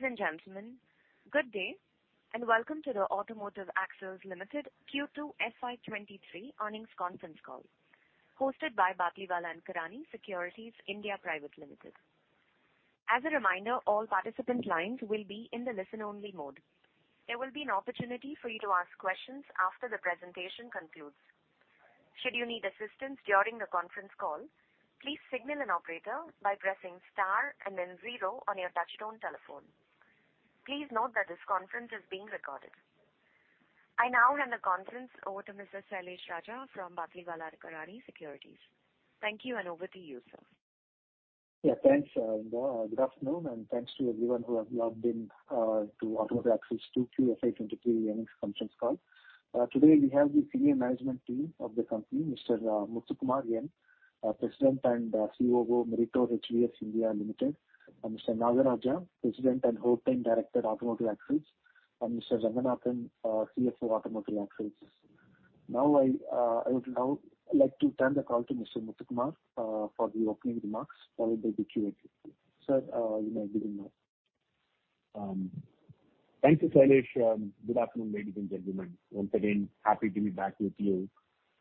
Ladies and gentlemen, good day, and welcome to the Automotive Axles Limited Q2 FY 2023 earnings conference call, hosted by Batlivala & Karani Securities India Private Limited. As a reminder, all participant lines will be in the listen-only mode. There will be an opportunity for you to ask questions after the presentation concludes. Should you need assistance during the conference call, please signal an operator by pressing star and then zero on your touchtone telephone. Please note that this conference is being recorded. I now hand the conference over to Mr. Sailesh Raja from Batlivala & Karani Securities. Thank you, and over to you, sir. Yeah, thanks, Inba. Good afternoon, and thanks to everyone who has logged in to Automotive Axles Q2 FY 2023 earnings conference call. Today we have the senior management team of the company, Mr. Muthukumar N, President and CEO of Meritor HVS India Limited, and Mr. Nagaraja, President and Whole Time Director, Automotive Axles, and Mr. Ranganathan, CFO, Automotive Axles. Now, I, I would now like to turn the call to Mr. Muthukumar for the opening remarks, followed by the Q&A. Sir, you may begin now. Thank you, Sailesh. Good afternoon, ladies and gentlemen. Once again, happy to be back with you,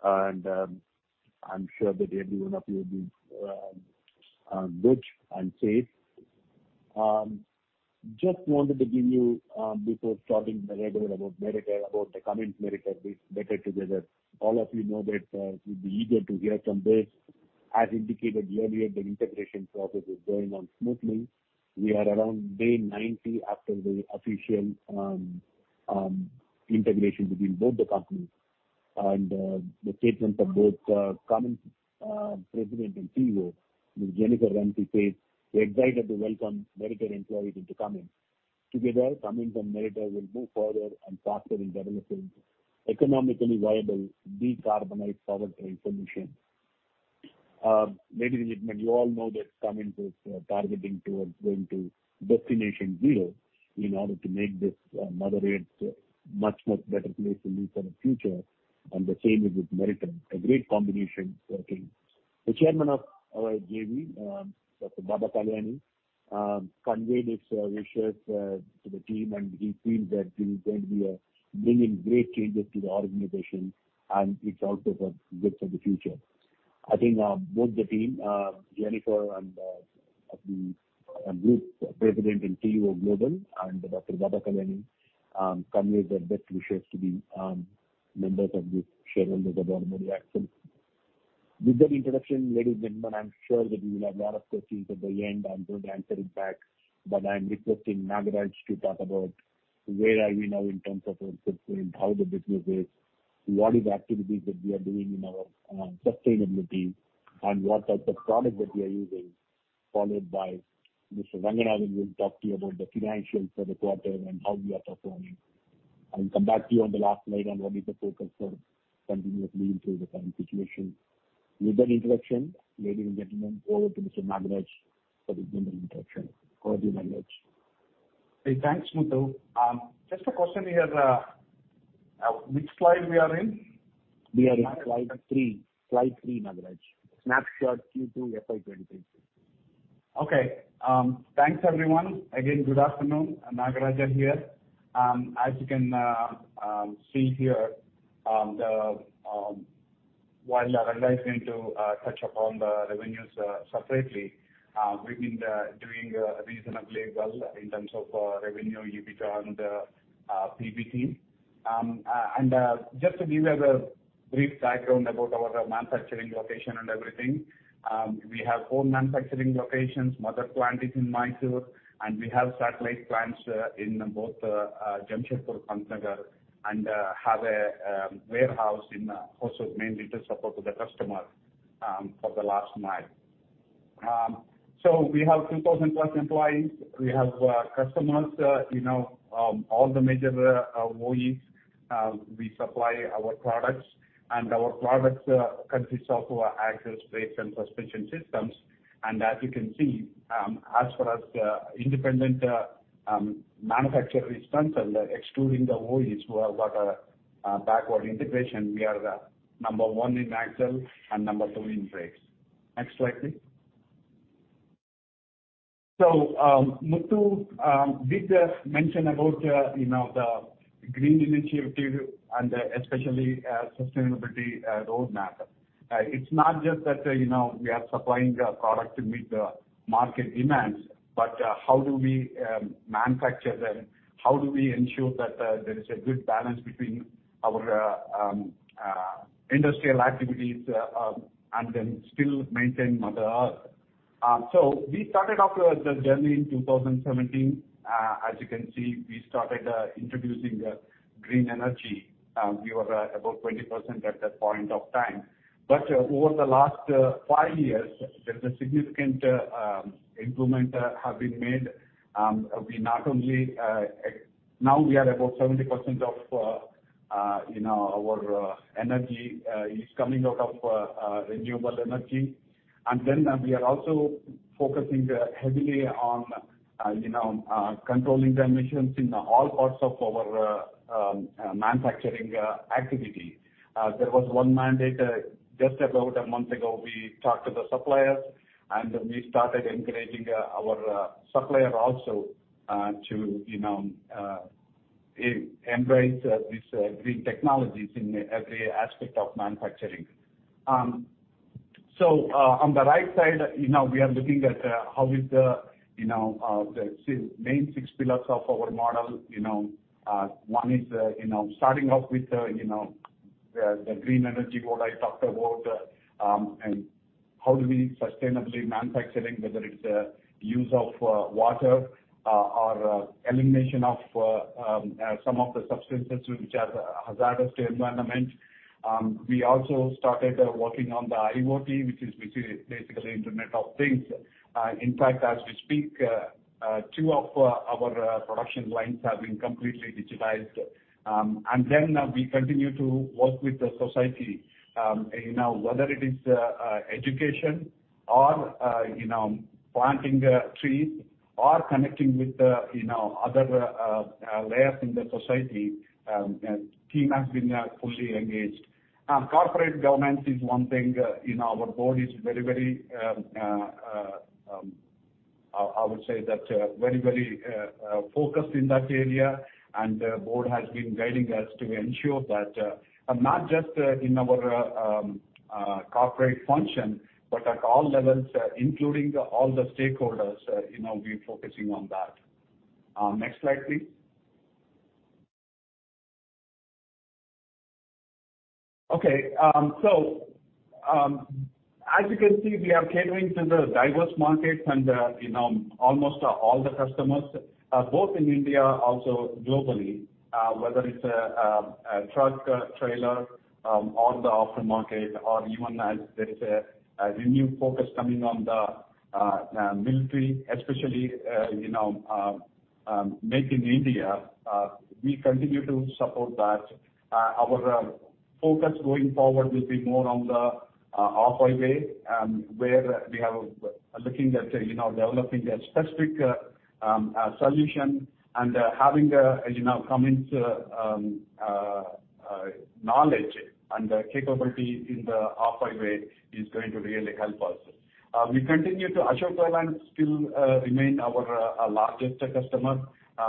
and I'm sure that everyone of you is good and safe. Just wanted to give you, before starting the regular about Meritor, about the Cummins Meritor better together. All of you know that you'd be eager to hear from this. As indicated earlier, the integration process is going on smoothly. We are around day 90 after the official integration between both the companies. And the statements of both Cummins President and CEO, Ms. Jennifer Rumsey, says: "We're excited to welcome Meritor employees into Cummins. Together, Cummins and Meritor will move forward and faster in developing economically viable, decarbonized powertrain solutions." Ladies and gentlemen, you all know that Cummins is targeting towards going to Destination Zero in order to make this Mother Earth a much, much better place to live for the future, and the same is with Meritor. A great combination, team. The chairman of our JV, Dr. Baba Kalyani, conveyed his wishes to the team, and he feels that this is going to be bringing great changes to the organization, and it's also for good for the future. I think both the team, Jennifer and the Group President and CEO Global and Dr. Baba Kalyani, convey their best wishes to the members of the shareholders of Automotive Axles. With that introduction, ladies and gentlemen, I'm sure that you will have a lot of questions at the end. I'm going to answer it back, but I'm requesting Nagaraja to talk about where are we now in terms of our footprint, how the business is, what is the activities that we are doing in our sustainability, and what are the products that we are using, followed by Mr. Ranganathan, who will talk to you about the financials for the quarter and how we are performing. I'll come back to you on the last slide on what is the focus for continuously improve the current situation. With that introduction, ladies and gentlemen, over to Mr. Nagaraja for his general introduction. Over to you, Nagaraja. Hey, thanks, Muthu. Just a question here, which slide we are in? We are in slide three. Slide three, Nagaraja. Snapshot Q2 FY 2023. Okay, thanks, everyone. Again, good afternoon, I'm Nagaraja here. As you can see here, while Ranga is going to touch upon the revenues separately, we've been doing reasonably well in terms of revenue, EBITDA, and PBT. And just to give you a brief background about our manufacturing location and everything, we have four manufacturing locations. Mother plant is in Mysore, and we have satellite plants in both Jamshedpur and Pantnagar, and have a warehouse in Hosur, mainly to support the customer for the last mile. So we have 2,000+ employees. We have customers, you know, all the major OEs, we supply our products. And our products consist of our axles, brakes, and suspension systems. As you can see, as far as independent manufacturer is concerned, excluding the OEs, who have got a backward integration, we are the number one in axle and number two in brakes. Next slide, please. Muthu did mention about you know, the green initiative and especially sustainability roadmap. It's not just that you know, we are supplying the product to meet the market demands, but how do we manufacture them? How do we ensure that there is a good balance between our industrial activities and then still maintain Mother Earth? We started off the journey in 2017. As you can see, we started introducing green energy. We were at about 20% at that point of time. But, over the last five years, there's a significant improvement have been made. Now we are about 70% of, you know, our energy is coming out of renewable energy. And then we are also focusing heavily on, you know, controlling the emissions in all parts of our manufacturing activity. There was one mandate just about a month ago, we talked to the suppliers, and we started engaging our supplier also to, you know, embrace these green technologies in every aspect of manufacturing. So, on the right side, you know, we are looking at how is the, you know, the main six pillars of our model, you know. One is, you know, starting off with, you know, the green energy, what I talked about, and how do we sustainably manufacturing, whether it's the use of water, or elimination of some of the substances which are hazardous to environment. We also started working on the IoT, which is basically Internet of Things. In fact, as we speak, two of our production lines have been completely digitized. And then we continue to work with the society, you know, whether it is education or you know, planting trees or connecting with the you know, other layers in the society, team has been fully engaged. Corporate governance is one thing, our board is very, very, I would say that, very, very focused in that area, and the board has been guiding us to ensure that, not just in our corporate function, but at all levels, including all the stakeholders, you know, we're focusing on that. Next slide, please. Okay, so, as you can see, we are catering to the diverse markets and, you know, almost all the customers, both in India, also globally, whether it's a truck, a trailer, or the after market or even as there's a renewed focus coming on the military, especially, you know, made in India, we continue to support that. Our focus going forward will be more on the off-highway, where we have looking at, you know, developing a specific solution and, having the, as you know, Cummins knowledge and the capability in the off-highway is going to really help us. We continue to Ashok Leyland still remain our largest customer,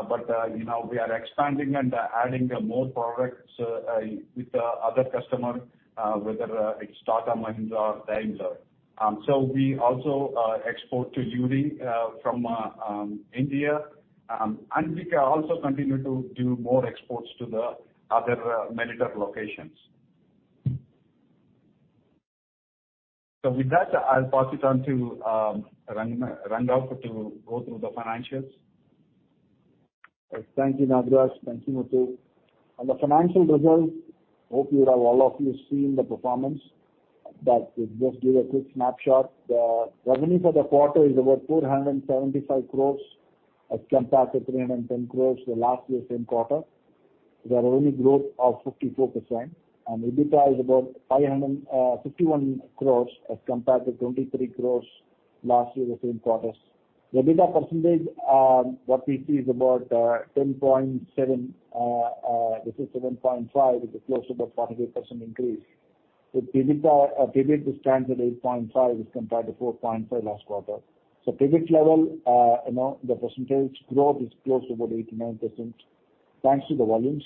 but, you know, we are expanding and adding more products with the other customer, whether it's Tata, Mahindra, or Daimler. So we also export to UD from India, and we can also continue to do more exports to the other Meritor locations. So with that, I'll pass it on to Ranga to go through the financials. Thank you, Nagaraja. Thank you, Muthu. On the financial results, hopefully, all of you have seen the performance, but just give a quick snapshot. The revenue for the quarter is about 475 crore as compared to 310 crore the last year, same quarter. The revenue growth of 54%, and EBITDA is about 551 crore as compared to 23 crore last year, the same quarter. The EBITDA percentage, what we see is about 10.7%, this is 7.5%, which is close to about 48% increase. The EBIT stands at 8.5% as compared to 4.5% last quarter. So EBIT level, you know, the percentage growth is close to about 89%, thanks to the volumes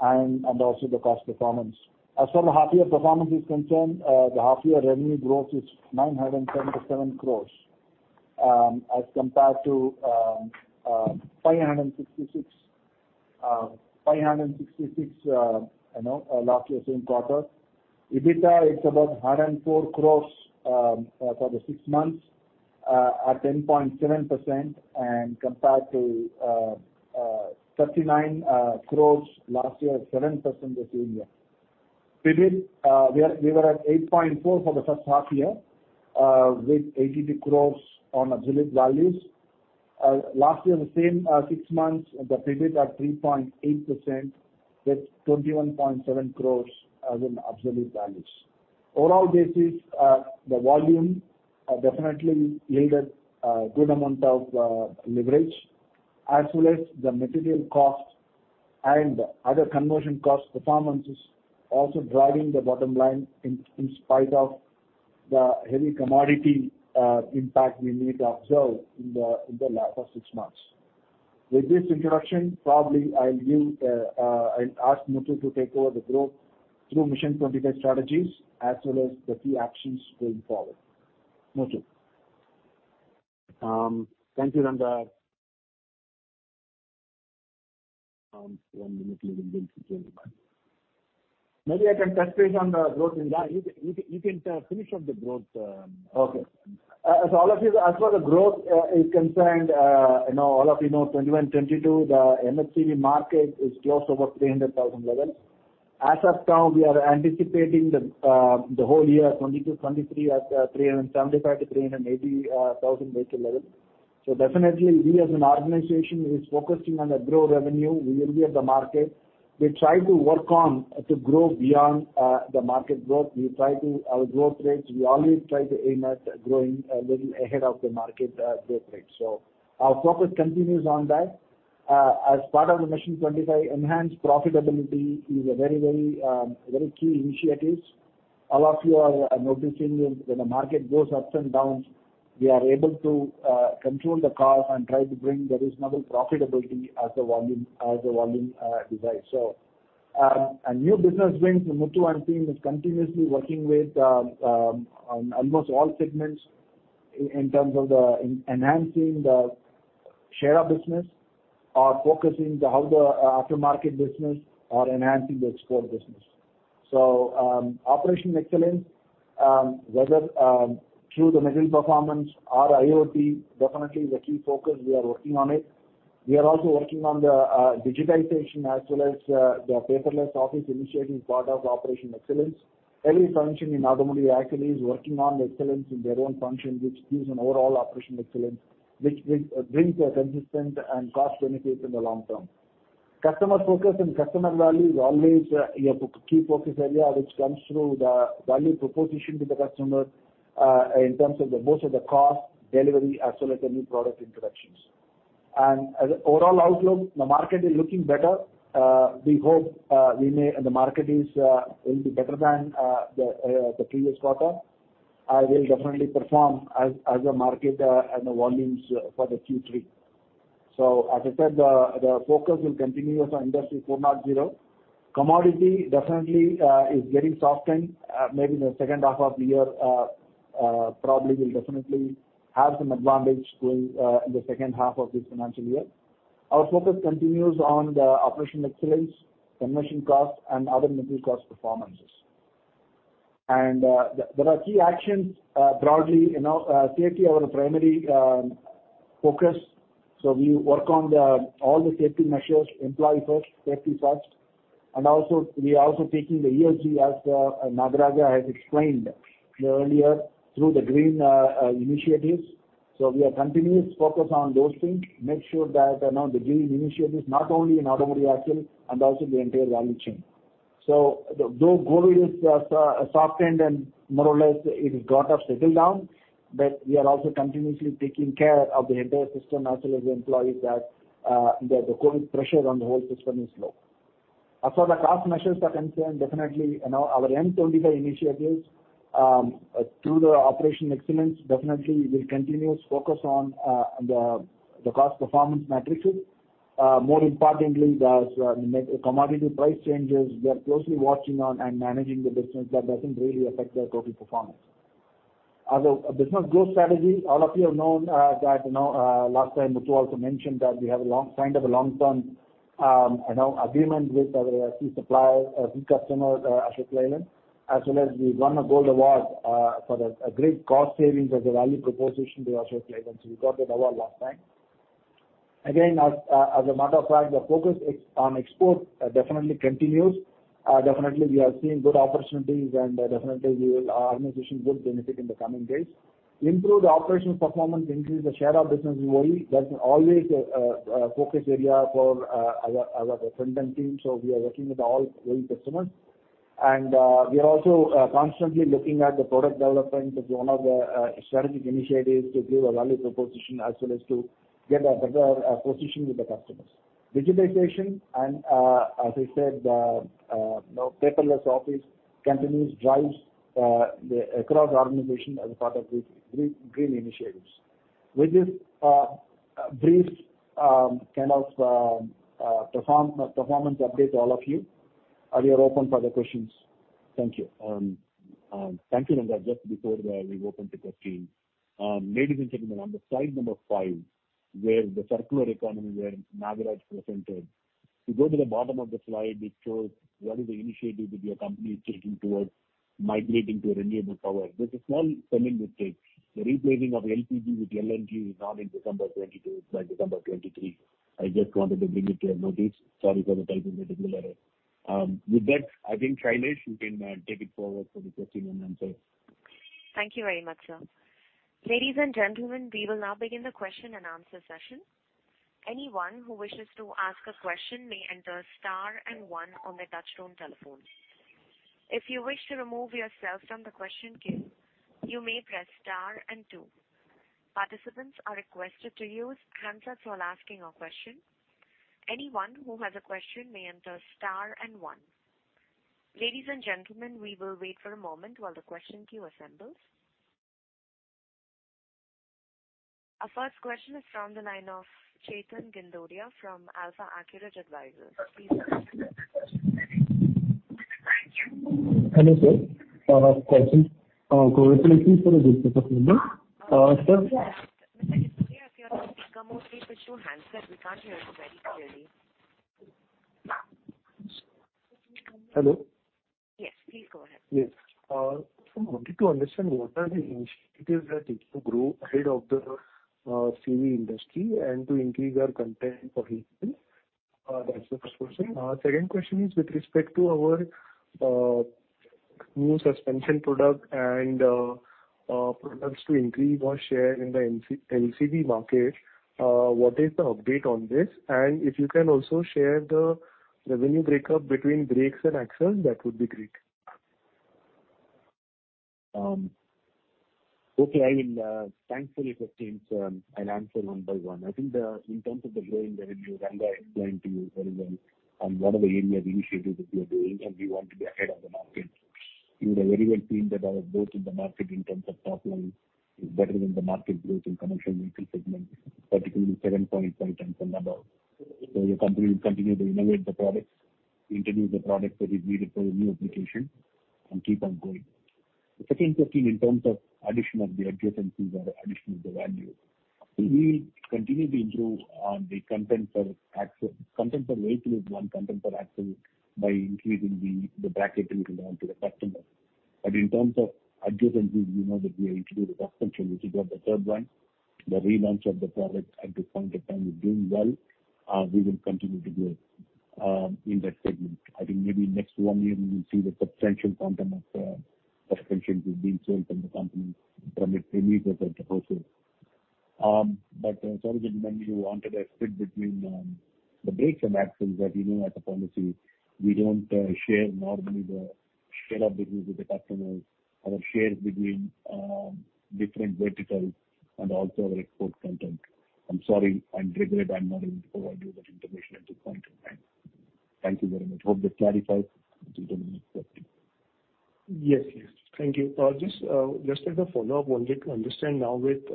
and, and also the cost performance. As far as the half year performance is concerned, the half year revenue growth is 977 crores, as compared to 566 crores, you know, last year, same quarter. EBITDA is about 104 crores for the six months at 10.7% and compared to 39 crores last year at 7% this year. EBIT, we are, we were at 8.4% for the first half year with 82 crores on absolute values. Last year, the same six months, the EBIT are 3.8% with 21.7 crores as an absolute values. On an overall basis, the volume definitely yielded a good amount of leverage, as well as the material cost and other conversion cost performances also driving the bottom line in spite of the heavy commodity impact we need to observe in the last six months. With this introduction, I'll ask Muthu to take over the growth through Mission 2025 strategies, as well as the key actions going forward. Muthu? Thank you, Ranga. One minute we will be able to join back. Maybe I can touch base on the growth, and you can finish up the growth. Okay. As all of you, as far as the growth is concerned, you know, all of you know, 2021-2022, the MHCV market is close to about 300,000 level. As of now, we are anticipating the whole year, 2022-2023, at 375,000-380,000 vehicle level. So definitely, we as an organization is focusing on the grow revenue. We will be at the market. We try to work on to grow beyond the market growth. We try to. Our growth rates, we always try to aim at growing a little ahead of the market growth rate. So our focus continues on that as part of the Mission 2025, enhanced profitability is a very, very, very key initiatives. All of you are noticing when the market goes ups and downs, we are able to control the cost and try to bring the reasonable profitability as the volume divides. So, a new business wing, Muthu and team is continuously working with on almost all segments in terms of enhancing the share of business or focusing on how the aftermarket business or enhancing the export business. So, operational excellence, whether through the material performance or IoT, definitely is a key focus. We are working on it. We are also working on the digitization as well as the paperless office initiative is part of the operational excellence. Every function in Automotive Axles is working on excellence in their own function, which gives an overall operational excellence, which brings a consistent and cost benefits in the long term. Customer focus and customer value is always your key focus area, which comes through the value proposition to the customer in terms of the most of the cost, delivery, as well as the new product introductions. As overall outlook, the market is looking better. We hope the market will be better than the previous quarter, will definitely perform as a market, and the volumes for the Q3. So as I said, the focus will continue as on Industry 4.0. Commodity definitely is getting softened, maybe in the second half of the year, probably will definitely have some advantage going in the second half of this financial year. Our focus continues on the operational excellence, conversion cost, and other material cost performances. There are key actions, broadly, you know, safety our primary focus. We work on all the safety measures, employee first, safety first, and also we are also taking the ESG, as Nagaraja has explained earlier, through the green initiatives. We are continuous focus on those things, make sure that, you know, the green initiatives, not only in Automotive Axle and also the entire value chain. Though COVID is softened and more or less it is got up, settled down, but we are also continuously taking care of the entire system as well as the employees, so that the COVID pressure on the whole system is low. As far as the cost measures are concerned, definitely, you know, our end 2025 initiatives through the operational excellence, definitely we will continue to focus on the cost performance metrics. More importantly, the commodity price changes, we are closely watching on and managing the business. That doesn't really affect our profit performance. As a business growth strategy, all of you have known that, you know, last time, Muthu also mentioned that we have signed up a long-term, you know, agreement with our key supplier, key customer, Ashok Leyland, as well as we won a gold award for a great cost savings as a value proposition to Ashok Leyland. So we got the award last time. Again, as a matter of fact, the focus on export definitely continues. Definitely, we are seeing good opportunities, and definitely our organization will benefit in the coming days. Improve the operational performance, increase the share of business with OE. That's always a focus area for our front-end team, so we are working with all OE customers. We are also constantly looking at the product development as one of the strategic initiatives to give a value proposition, as well as to get a better position with the customers. Digitization and as I said, you know, paperless office drives across the organization as part of the green initiatives. With this brief performance update to all of you, we are open for the questions. Thank you. Thank you, Ranga. Just before we open to questions, ladies and gentlemen, on the slide number five, where the circular economy, where Nagaraj presented, you go to the bottom of the slide, it shows what is the initiative that your company is taking towards migrating to renewable power. There's a small spelling mistake. The replacing of LPG with LNG is not in December 2022, it's by December 2023. I just wanted to bring it to your notice. Sorry for the typing little error. With that, I think, Sailesh, you can take it forward for the question and answer. Thank you very much, sir. Ladies and gentlemen, we will now begin the question-and-answer session. Anyone who wishes to ask a question may enter star and one on their touchtone telephones. If you wish to remove yourself from the question queue, you may press star and two. Participants are requested to use handsets while asking a question. Anyone who has a question may enter star and one. Ladies and gentlemen, we will wait for a moment while the question queue assembles. Our first question is from the line of Chetan Gindodia from AlfAccurate Advisors. Please go ahead. Thank you. Hello, sir, questions. Congratulations for the good performance. Sir- Mr. Gindodia, if you want to speak, come over, please put your handset. We can't hear you very clearly. Hello? Yes, please go ahead. Yes. I wanted to understand what are the initiatives that looking to grow ahead of the, CV industry and to increase our content for you? That's the first question. Second question is with respect to our, new suspension product and, products to increase our share in the LCV market. What is the update on this? And if you can also share the revenue breakup between brakes and axles, that would be great. Okay, I will thank you for this team. So I'll answer one by one. I think the, in terms of the growing revenue, Ranga explained to you very well on what are the areas we initiated, what we are doing, and we want to be ahead of the market. You would have very well seen that our growth in the market in terms of top line is better than the market growth in commercial vehicle segment, particularly 7.7x and above. So your company will continue to innovate the products, introduce the products that is needed for the new application, and keep on going. The second question, in terms of addition of the adjacencies or addition of the value, we will continue to improve on the content for axle, content for weight with one content for axle by increasing the, the bracket we belong to the customer. But in terms of adjacencies, we know that we have introduced suspension, which is on the third line. The relaunch of the product at this point of time is doing well, we will continue to do it in that segment. I think maybe next one year, we will see the substantial content of suspensions is being sold from the company but sorry, gentlemen, you wanted a split between the brakes and axles, but you know, at the policy, we don't share normally the share of business with the customers or share between different verticals and also our export content. I'm sorry, I regret I'm not able to provide you that information at this point in time. Thank you very much. Hope that clarifies the next question. Yes, yes. Thank you. Just as a follow-up, wanted to understand now with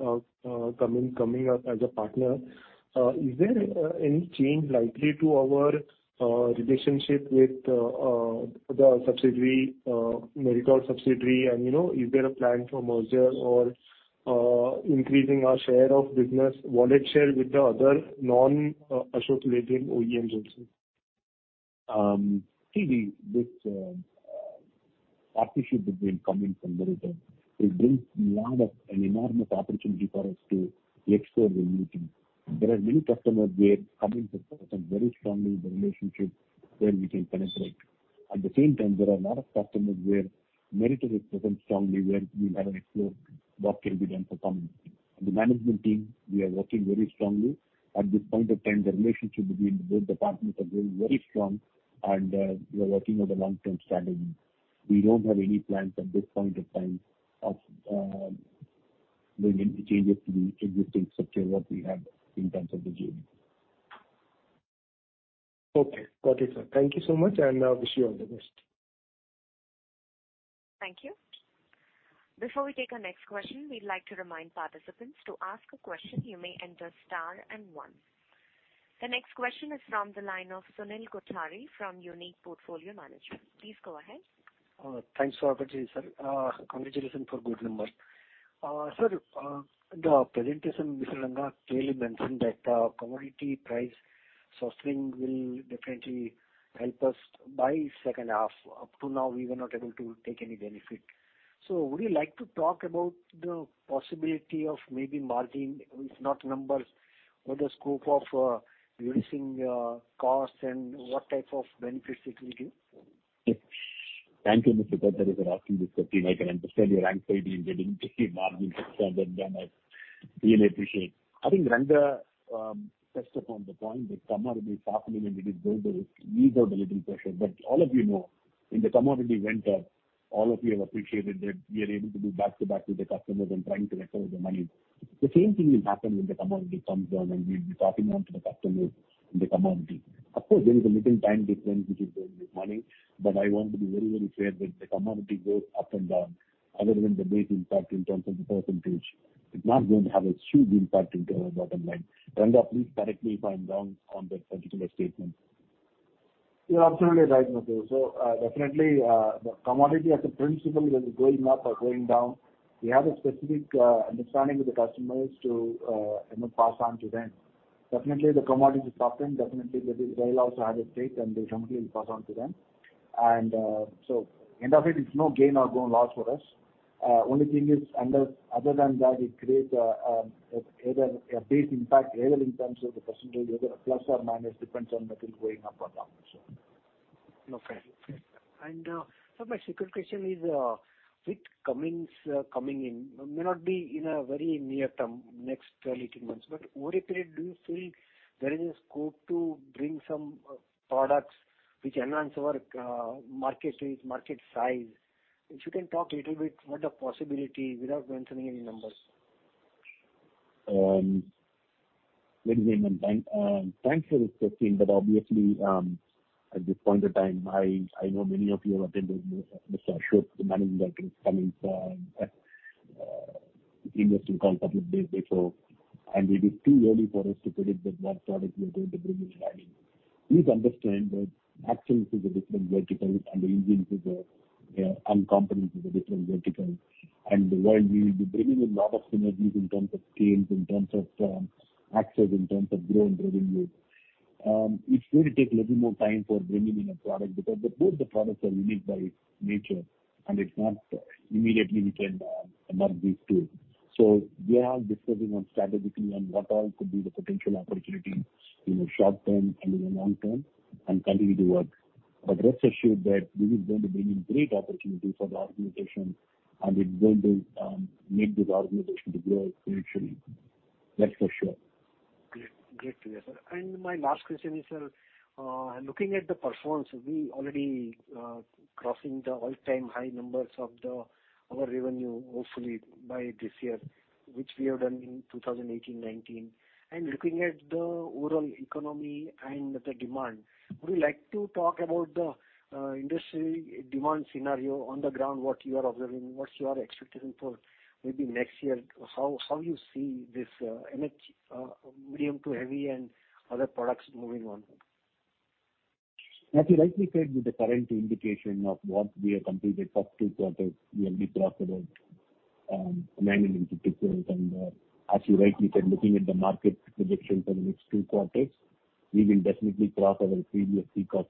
coming up as a partner, is there any change likely to our relationship with the subsidiary, Meritor subsidiary, and, you know, is there a plan for merger or increasing our share of business, wallet share with the other non-Ashok Leyland OEM also? See, this partnership between Cummins and Meritor, it brings a lot of, an enormous opportunity for us to explore the new team. There are many customers where Cummins is present very strongly the relationship where we can penetrate. At the same time, there are a lot of customers where Meritor is present strongly, where we haven't explored what can be done for Cummins. The management team, we are working very strongly. At this point of time, the relationship between both the partners are very, very strong, and we are working on the long-term strategy. We don't have any plans at this point of time of bringing the changes to the existing structure what we have in terms of the JV. Okay. Got it, sir. Thank you so much, and I wish you all the best. Thank you. Before we take our next question, we'd like to remind participants to ask a question, you may enter star and one. The next question is from the line of Sunil Kothari from Unique Portfolio Management. Please go ahead. Thanks for the opportunity, sir. Congratulations for good number. Sir, the presentation, Mr. Ranga, clearly mentioned that commodity price sourcing will definitely help us by second half. Up to now, we were not able to take any benefit. So would you like to talk about the possibility of maybe margin, if not numbers, what the scope of reducing costs and what type of benefits it will give? Yes. Thank you, Mr. Kothari, for asking this question. I can understand your anxiety in getting to see margin standpoint and I really appreciate. I think Ranga touched upon the point that commodity softening and it is going to ease out a little pressure. But all of you know, in the commodity winter, all of you have appreciated that we are able to do back-to-back with the customers and trying to recover the money. The same thing will happen when the commodity comes down, and we'll be passing on to the customers in the commodity. Of course, there is a little time difference, which is going this morning, but I want to be very, very clear that the commodity goes up and down. Other than the base impact in terms of the percentage, it's not going to have a huge impact in terms of bottom line. Ranga, please correct me if I'm wrong on that particular statement. You're absolutely right, Muthu. So, definitely, the commodity as a principle, whether it's going up or going down, we have a specific understanding with the customers to, you know, pass on to them. Definitely, the commodity is soften. Definitely, the rail also had a take, and they completely pass on to them. And, so end of it, it's no gain or no loss for us. Only thing is, other than that, it creates a base impact, either in terms of the percentage, whether a plus or minus, depends on material going up or down, so. Okay. And, so my second question is, with Cummins, coming in, may not be in a very near term, next 12, 18 months, but over a period, do you feel there is a scope to bring some, products which enhance our, market, market size? If you can talk a little bit, what the possibility without mentioning any numbers. Very well then. Thanks for this question, but obviously, at this point of time, I know many of you have Mr. Ashwath the Managing Director of Cummins investor call couple of days before, and it is too early for us to predict that what product we are going to bring in line. Please understand that axles is a different vertical, and engines is a, and components is a different vertical. And while we will be bringing a lot of synergies in terms of scales, in terms of, access, in terms of growth and revenue, it's going to take a little more time for bringing in a product, because both the products are unique by nature, and it's not immediately we can, merge these two. We are discussing on strategically and what all could be the potential opportunity in the short term and in the long term, and continue to work. But rest assured that this is going to bring in great opportunity for the organization, and it's going to make this organization to grow financially. That's for sure. Great, great to hear, sir. And my last question is, looking at the performance, we already, crossing the all-time high numbers of the, our revenue, hopefully by this year, which we have done in 2018, 2019. And looking at the overall economy and the demand, would you like to talk about the, industry demand scenario on the ground, what you are observing, what you are expecting for maybe next year? How, how you see this, image, medium to heavy and other products moving on? As you rightly said, with the current indication of what we have completed for two quarters, we will be crossed about 950 crores and as you rightly said, looking at the market projections for the next two quarters, we will definitely cross our previous peak of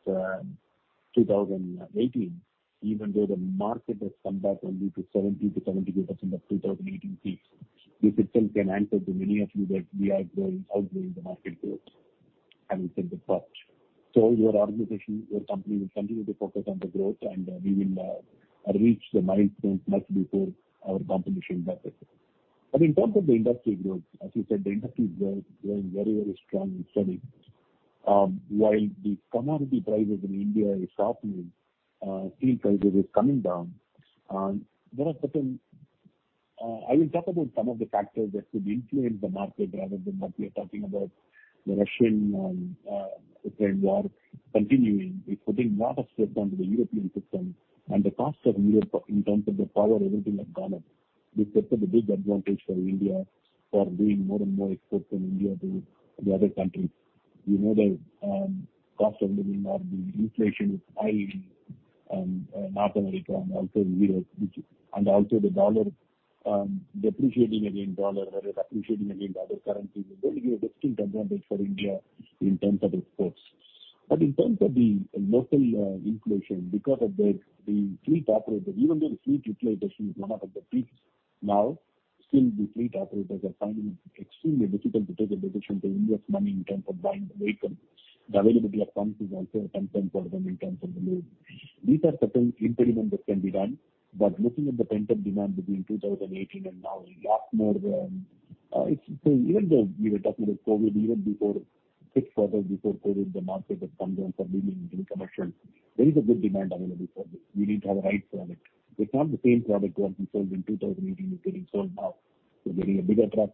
2018, even though the market has come back only to 70%-75% of 2018 peaks. This itself can answer to many of you that we are growing, outgrowing the market growth, I would say the part. So your organization, your company, will continue to focus on the growth, and we will reach the milestone much before our competition does it. But in terms of the industry growth, as you said, the industry is growing, growing very, very strong and steady. While the commodity prices in India is softening, steel prices is coming down, there are certain. I will talk about some of the factors that could influence the market rather than what we are talking about. The Russian Ukraine war continuing, it's putting a lot of stress onto the European system and the cost of Europe in terms of the power, everything have gone up. This sets up a big advantage for India for doing more and more exports from India to the other countries. You know, the cost of living or the inflation is high in North America and also Europe, which and also the dollar depreciating against dollar, rather appreciating against other currencies, is going to be a distinct advantage for India in terms of exports. But in terms of the local inflation, because of the fleet operator, even though the fleet utilization is not at the peaks now, still the fleet operators are finding it extremely difficult to take a decision to invest money in terms of buying the vehicle. The availability of funds is also a concern for them in terms of the load. These are certain impediment that can be done, but looking at the pent-up demand between 2018 and now, a lot more, so even though we were talking about COVID, even before, six quarters before COVID, the market has come down from levels in commercial, there is a good demand available for this. We need to have the right product. It's not the same product what we sold in 2018 is getting sold now. We're getting a bigger truck,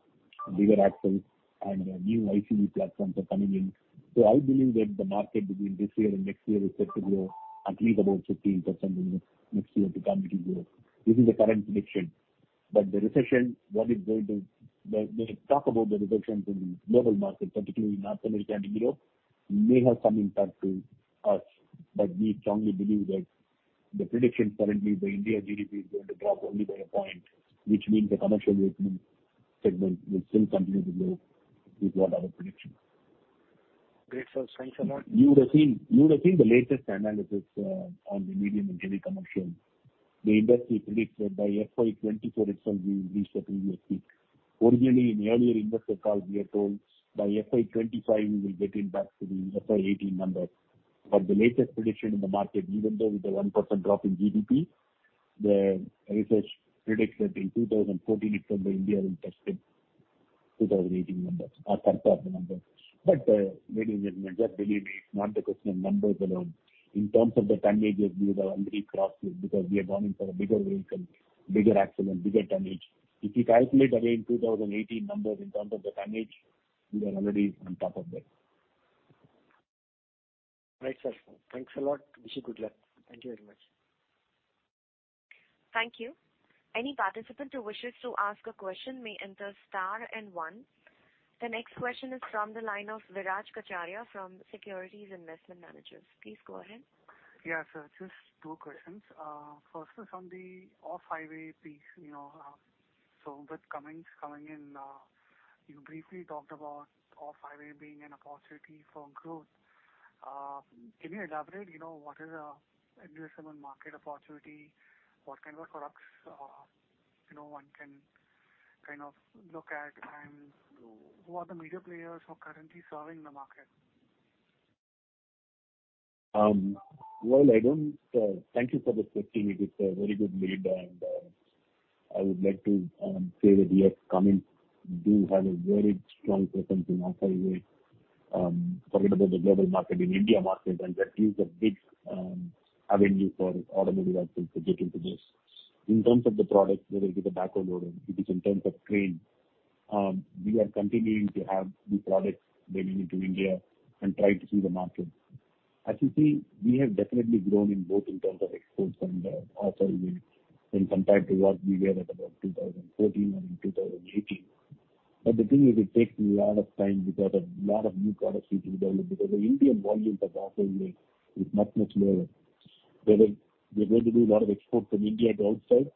bigger axles, and a new ICV platforms are coming in. So I believe that the market between this year and next year is set to grow at least about 15% in the next year to come into Europe. This is the current prediction. But the recession, the talk about the recession from the global market, particularly in North America and Europe, may have some impact to us, but we strongly believe that the prediction currently, the India GDP is going to drop only by one point, which means the commercial vehicle segment will still continue to grow, is what our prediction. Great, sir. Thanks a lot. You would have seen, you would have seen the latest analysis on the medium and heavy commercial. The industry predicts that by FY 2024 itself, we will reach the previous peak. Originally, in earlier investor call, we are told by FY 2025, we will getting back to the FY 2018 numbers. But the latest prediction in the market, even though with the 1% drop in GDP, the research predicts that in 2014, December, India will touch the 2018 numbers or closer the numbers. But, ladies and gentlemen, just believe me, it's not the question of numbers alone. In terms of the tonnage, we have already crossed it, because we are going for a bigger vehicle, bigger axle, and bigger tonnage. If you calculate again 2018 numbers in terms of the tonnage, we are already on top of that. Right, sir. Thanks a lot. Wish you good luck. Thank you very much. Thank you. Any participant who wishes to ask a question may enter star and one. The next question is from the line of Viraj Kacharia from Securities Investment Managers. Please go ahead. Yeah, so just two questions. First is on the off-highway piece, you know, so with Cummins coming in, you briefly talked about off-highway being an opportunity for growth. Can you elaborate, you know, what is addressable market opportunity? What kind of products, you know, one can kind of look at, and who are the major players who are currently serving on the market? Thank you for this question. It's a very good lead, and I would like to say that we at Cummins do have a very strong presence in off-highway. Forget about the global market, in India market, and that is a big avenue for Automotive Axles to get into this. In terms of the products there will be backward loader in terms of crane, we are continuing to have new products bringing into India and try to see the market. As you see, we have definitely grown in both in terms of exports and off-highway in compared to what we were at about 2013 and in 2018. But the thing is, it takes a lot of time because of lot of new products which is developed, because the Indian volumes of off-highway is much, much lower, whether we are going to do a lot of export from India to outside,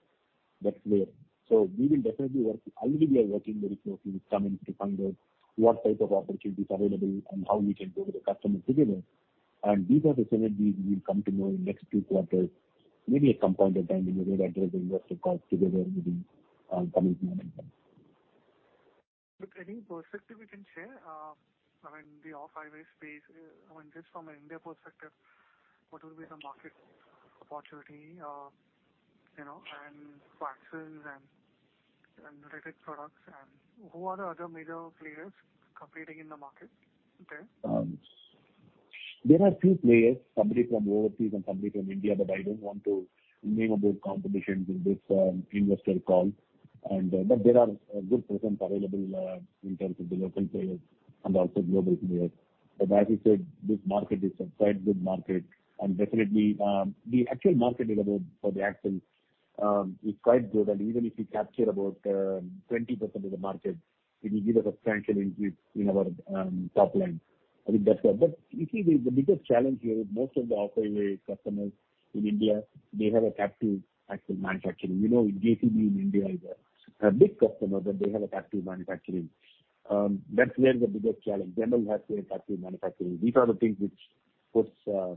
that's where. So we will definitely work—already we are working very closely with Cummins to find out what type of opportunities available and how we can go to the customer together. And these are the synergies we will come to know in next two quarters, maybe at some point of time, we may address the investor calls together with the Cummins management. Any perspective you can share, I mean, the off-highway space, I mean, just from an India perspective, what will be the market opportunity, you know, and axles and related products. Who are the other major players competing in the market there? There are few players, somebody from overseas and somebody from India, but I don't want to name those competitors in this investor call. But there are a good presence available in terms of the local players and also global players. But as you said, this market is a quite good market, and definitely the actual market available for the axles is quite good. And even if we capture about 20% of the market, it will give us a substantial increase in our top line. I think that's where. But you see, the biggest challenge here with most of the OEM customers in India, they have a captive axle manufacturing. You know, JTB in India is a big customer, but they have a captive manufacturing. That's where the biggest challenge, BEML has a captive manufacturing. These are the things which puts a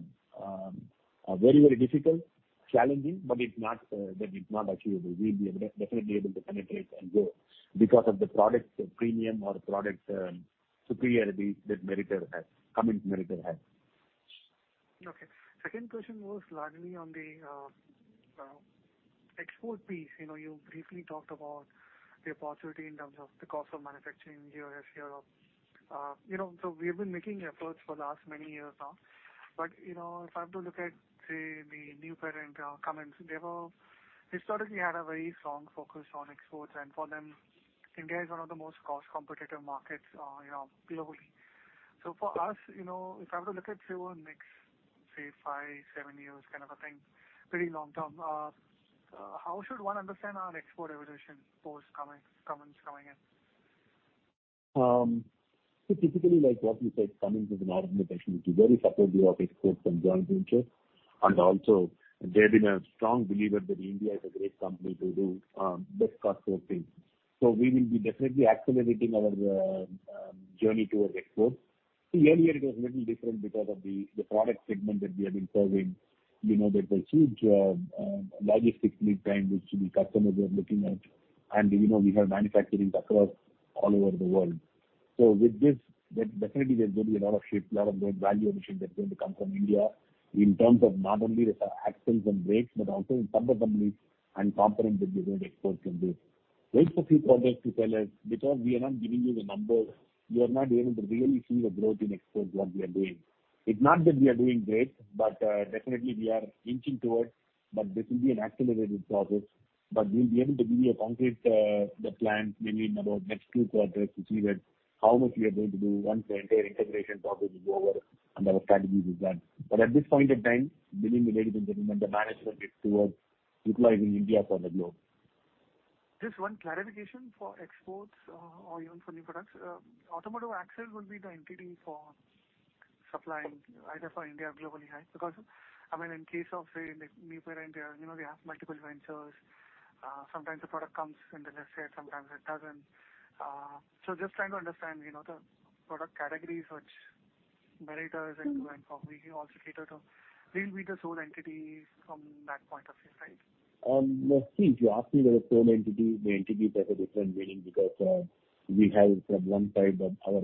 very, very difficult, challenging, but it's not that it's not achievable. We'll be able to, definitely able to penetrate and grow because of the product premium or product superiority that Meritor has, Cummins Meritor has. Okay. Second question was largely on the export piece. You know, you briefly talked about the opportunity in terms of the cost of manufacturing here as Europe. You know, so we have been making efforts for the last many years now. But, you know, if I have to look at, say, the new parent, Cummins, they were historically had a very strong focus on exports, and for them, India is one of the most cost competitive markets, you know, globally. So for us, you know, if I were to look at, say, one next, say, five, seven years, kind of a thing, pretty long term, how should one understand our export evolution post coming, Cummins coming in? So typically, like what you said, Cummins is an organization which is very supportive of exports and joint venture, and also they've been a strong believer that India is a great company to do this cost sort of thing. So we will be definitely accelerating our journey towards exports. Earlier, it was a little different because of the product segment that we have been serving. You know, there's a huge logistics lead time, which the customers were looking at, and, you know, we have manufacturing across all over the world. So with this, that definitely there's going to be a lot of shift, a lot of the value addition that's going to come from India in terms of not only the axles and brakes, but also in some of the companies and components that we're going to export from this. Wait for few projects to tell us, because we are not giving you the numbers. You are not able to really see the growth in exports, what we are doing. It's not that we are doing great, but definitely we are inching towards, but this will be an accelerated process. But we'll be able to give you a concrete the plan maybe in about next two quarters to see that how much we are going to do once the entire integration process is over and our strategies is done. But at this point in time, believing the ladies and gentlemen, the management is towards utilizing India for the globe. Just one clarification for exports, or even for new products. Automotive Axles will be the entity for supplying either for India or globally, right? Because, I mean, in case of, say, like, new parent there, you know, they have multiple ventures. Sometimes the product comes in the landscape, sometimes it doesn't. So just trying to understand, you know, the product categories which Meritor is into and probably you also cater to. Will it be the sole entity from that point of view, right? Let's see. If you ask me whether sole entity, the entity has a different meaning because we have from one side of our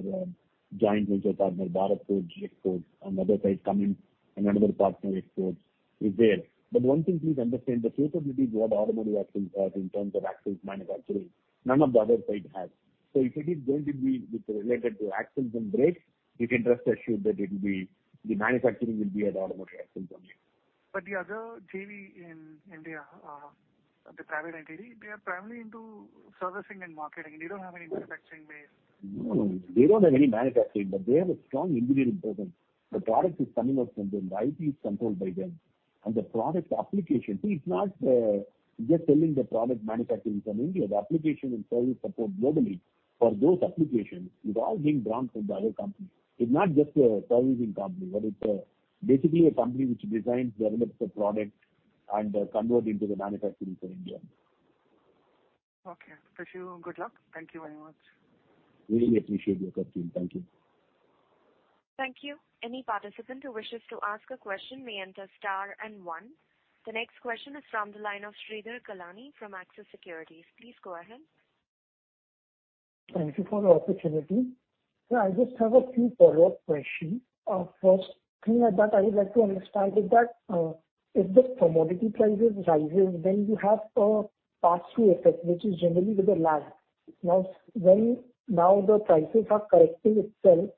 joint venture partner, Bharat Forge exports, on the other side, Cummins, and another partner exports is there. But one thing please understand, the capabilities what Automotive Axles has in terms of axles manufacturing, none of the other side has. So if it is going to be with related to axles and brakes, you can rest assured that it will be, the manufacturing will be at Automotive Axles company. But the other JV in India, the private entity, they are primarily into servicing and marketing. They don't have any manufacturing base. No, no. They don't have any manufacturing, but they have a strong engineering presence. The product is coming out from them, the IP is controlled by them. And the product application, see, it's not just selling the product manufacturing from India. The application and service support globally for those applications is all being drawn from the other company. It's not just a servicing company, but it's basically a company which designs, develops the product and convert into the manufacturing for India. Okay. Wish you good luck. Thank you very much. Really appreciate your question. Thank you. Thank you. Any participant who wishes to ask a question may enter star and one. The next question is from the line of Shridhar Kallani from Axis Securities. Please go ahead. Thank you for the opportunity. Sir, I just have a few follow-up questions. First, clarify that, I would like to understand is that, if the commodity prices rises, then you have a pass-through effect, which is generally with a lag. Now, now the prices are correcting itself,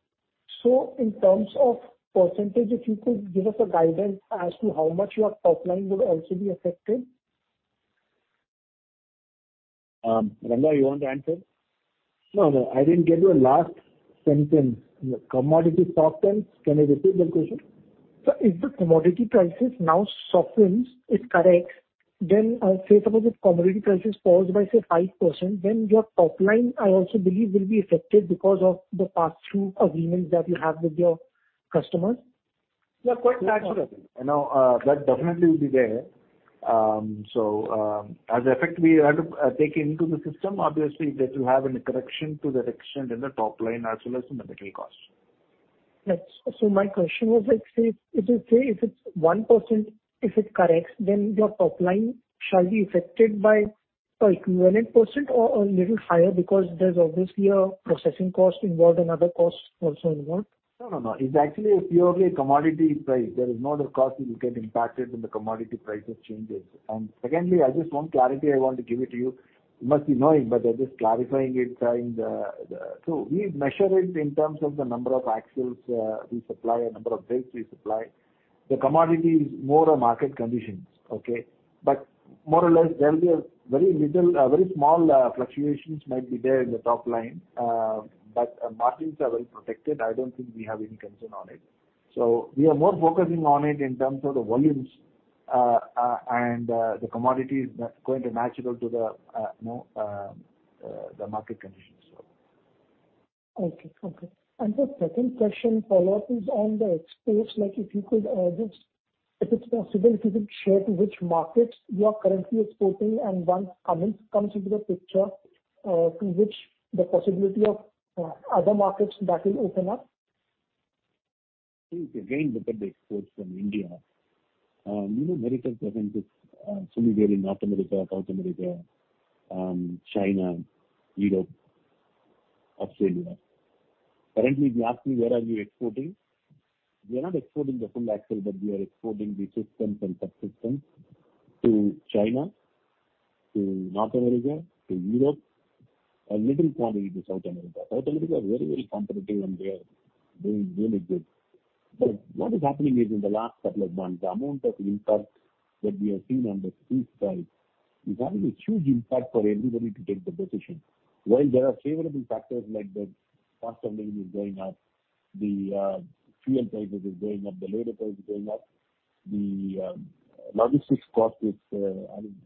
so in terms of percentage, if you could give us a guidance as to how much your top line will also be affected? Ranga, you want to answer? No, no, I didn't get your last sentence. Commodity top line, can you repeat the question? Sir, if the commodity prices now softens, it corrects, then say, suppose if commodity prices falls by, say, 5%, then your top line, I also believe, will be affected because of the pass-through agreements that you have with your customers? Yeah, quite naturally. You know, that definitely will be there. So, in effect, we had to take into the system, obviously, that you have any correction to the extent in the top line as well as in the material costs. That's. So my question was, like, say, if you say if it's 1%, if it corrects, then your top line shall be affected by...? Equivalent percent or, or little higher because there's obviously a processing cost involved and other costs also involved? No, no, no. It's actually a purely commodity price. There is no other cost you get impacted when the commodity prices changes. And secondly, I just want clarity, I want to give it to you. You must be knowing, but I'm just clarifying it, saying. So we measure it in terms of the number of axles we supply, a number of brakes we supply. The commodity is more a market conditions, okay? But more or less, there will be a very little, a very small fluctuations might be there in the top line, but margins are well protected. I don't think we have any concern on it. So we are more focusing on it in terms of the volumes, and the commodities that's going to match it up to the, you know, the market conditions. So... Okay. Okay. The second question, follow-up, is on the exports. Like, if you could, just, if it's possible, if you could share to which markets you are currently exporting, and once Cummins comes into the picture, to which the possibility of, other markets that will open up? Again, look at the exports from India. You know, Meritor presence is solely there in North America, South America, China, Europe, Australia. Currently, if you ask me, where are we exporting? We are not exporting the full axle, but we are exporting the systems and subsystems to China, to North America, to Europe, and little quantity to South America. South America are very, very competitive, and they are doing really good. But what is happening is, in the last couple of months, the amount of impact that we have seen on the sea freight is having a huge impact for everybody to take the decision. While there are favorable factors, like the cost of living is going up, the fuel prices is going up, the labor price is going up, the logistics cost is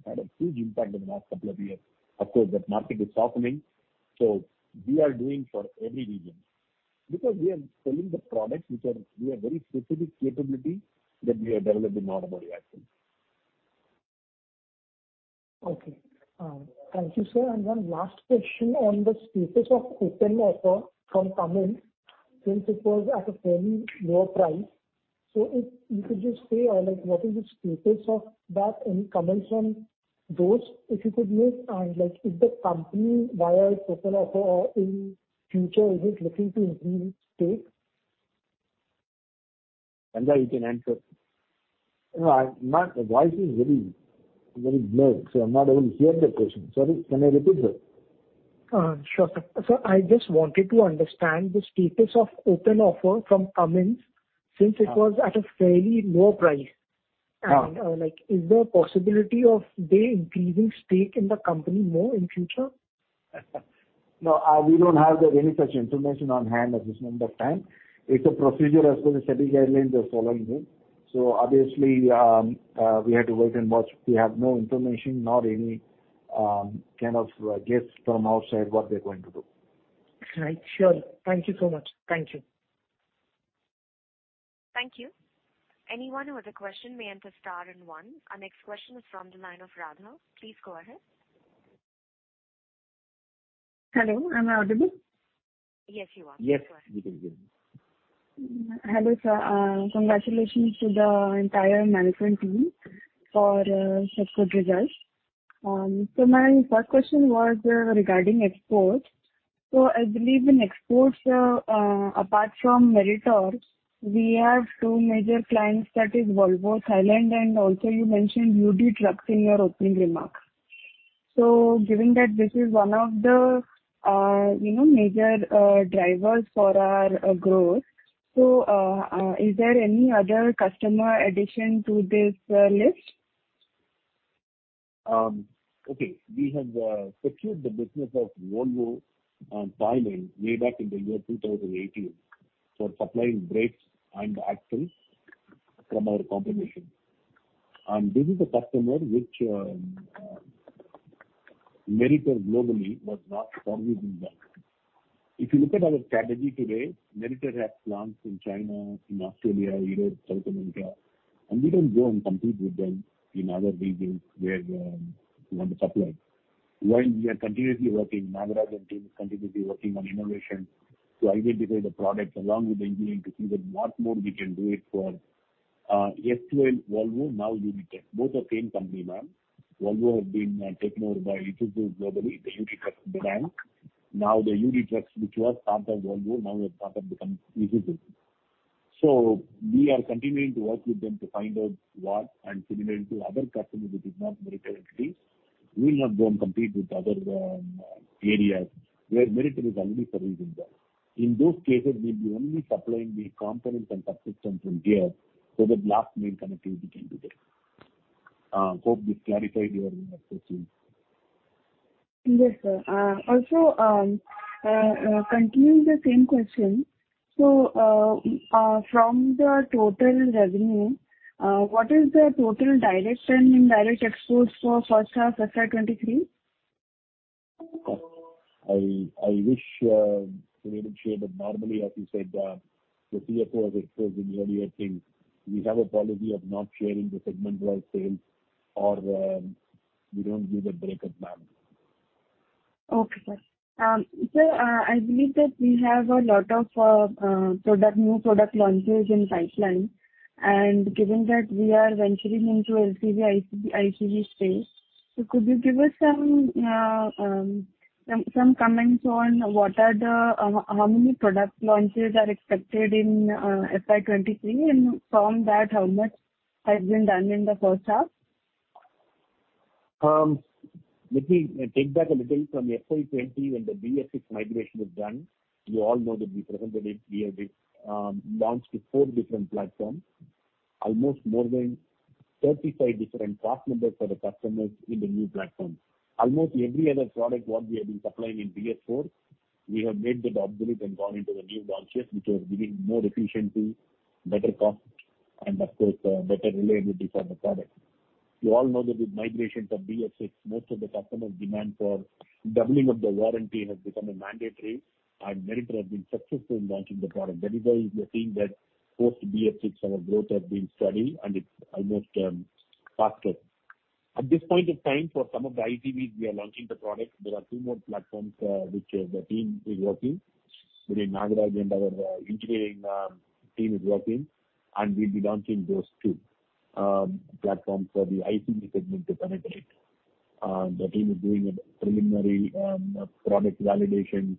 had a huge impact in the last couple of years. Of course, that market is softening, so we are doing for every region. Because we are selling the products which are—we have very specific capability that we have developed in Automotive Axle. Okay. Thank you, sir. One last question on the status of open offer from Cummins, since it was at a fairly low price. If you could just say, like, what is the status of that? Any comments on those, if you could make, and, like, if the company, via open offer or in future, is it looking to increase stake? Ranga, you can answer. No, the voice is very, very blurred, so I'm not able to hear the question. Sorry, can you repeat it? Sure, sir. Sir, I just wanted to understand the status of open offer from Cummins, since it was at a fairly low price. Yeah. Like, is there a possibility of they increasing stake in the company more in future? No, we don't have any such information on hand at this point of time. It's a procedure as per the SEBI guidelines they're following it. Obviously, we have to wait and watch. We have no information, nor any kind of guess from outside what they're going to do. Right. Sure. Thank you so much. Thank you. Thank you. Anyone who has a question may enter star and one. Our next question is from the line of Radha. Please go ahead. Hello, am I audible? Yes, you are. Yes, we can hear you. Hello, sir. Congratulations to the entire management team for such good results. So my first question was regarding exports. So I believe in exports, apart from Meritor, we have two major clients, that is Volvo, Thailand, and also you mentioned UD Trucks in your opening remarks. So given that this is one of the, you know, major drivers for our growth, so is there any other customer addition to this list? Okay. We have secured the business of Volvo in Thailand way back in the year 2018 for supplying brakes and axles from our combination. And this is a customer which Meritor globally was not servicing them. If you look at our strategy today, Meritor has plants in China, in Australia, Europe, South America, and we don't go and compete with them in other regions where we want to supply. While we are continuously working, Nagaraj and team is continuously working on innovation to identify the products along with the engineering, to see that what more we can do. Isuzu and Volvo, now you read both are same company, ma'am. Volvo has been taken over by Isuzu globally, the UD Trucks brand. Now, the UD Trucks, which was started Volvo, now it has become Isuzu. We are continuing to work with them to find out what... Similar to other customers, which is not Meritor directly, we'll not go and compete with other areas where Meritor is already servicing them. In those cases, we'll be only supplying the components and subsystems from here, so that last mile connectivity can be there. Hope this clarified your question. Yes, sir. Also, continuing the same question, so, from the total revenue, what is the total direct and indirect exports for first half, FY 2023? I wish to be able to share, but normally, as you said, the CFO has expressed in the earlier things, we have a policy of not sharing the segment-wise sales, or we don't give a breakup, ma'am. Okay, sir. So, I believe that we have a lot of new product launches in pipeline, and given that we are venturing into LCV ICD space, so could you give us some comments on how many product launches are expected in FY 2023, and from that, how much has been done in the first half? Let me take back a little from FY 2020, when the BS6 migration was done. You all know that we presented it. We have launched four different platforms, almost more than 35 different part numbers for the customers in the new platform. Almost every other product, what we have been supplying in BS4, we have made that obsolete and gone into the new launches, which are giving more efficiency, better cost, and of course, better reliability for the product. You all know that with migration from BS6, most of the customers' demand for doubling of the warranty has become a mandatory, and Meritor has been successful in launching the product. That is why you are seeing that post BS6, our growth has been steady, and it's almost faster. At this point of time, for some of the ICVs, we are launching the product. There are two more platforms, which the team is working within Nagaraja and our engineering team is working, and we'll be launching those two platforms for the ICV segment to penetrate. The team is doing a preliminary product validation,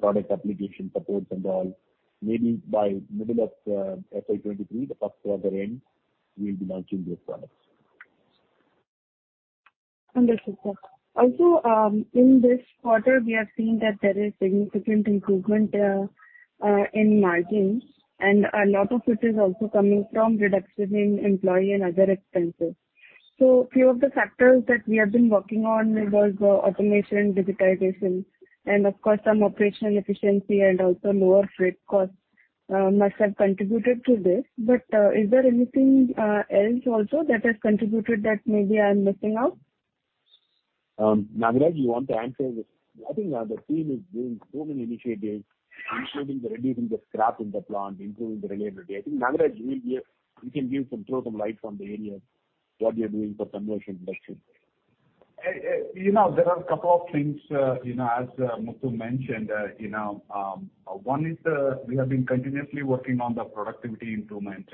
product application supports and all. Maybe by middle of FY 2023, the first quarter end, we'll be launching those products. Understood, sir. Also, in this quarter, we have seen that there is significant improvement in margins, and a lot of it is also coming from reduction in employee and other expenses. So few of the factors that we have been working on was automation and digitization, and of course, some operational efficiency and also lower freight costs must have contributed to this. But, is there anything else also that has contributed that maybe I'm missing out? Nagara, you want to answer this? I think, the team is doing so many initiatives, including the reducing the scrap in the plant, improving the reliability. I think, Nagaraja, you will give—you can give some, throw some light on the areas, what we are doing for commercial industries. You know, there are a couple of things, you know, as Muthu mentioned, you know, one is we have been continuously working on the productivity improvement.